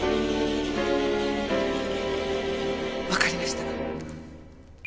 わかりました。